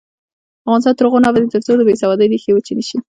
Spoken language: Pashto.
افغانستان تر هغو نه ابادیږي، ترڅو د بې سوادۍ ریښې وچې نشي.